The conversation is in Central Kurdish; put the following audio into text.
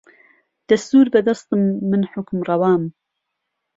دهستور به دهستم من حوکم ڕەوام